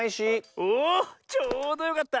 おちょうどよかった。